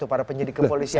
para penyidik kepolisian